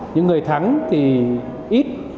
những người thắng thì ít